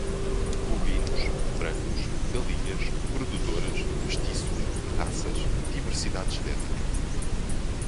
bovinos, frangos, galinhas produtoras, mestiços, raças, diversidade genética